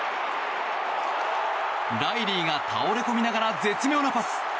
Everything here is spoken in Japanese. ライリーが倒れこみながら絶妙なパス。